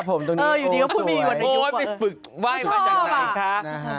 นะครับผมตรงนี้โฟว์สวยโฟว์ไม่ฟึกไว้มาจากไหนฮะอยู่นี้โฟว์สวย